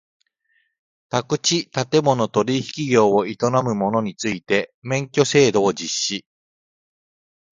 宅地建物取引業を営む者について免許制度を実施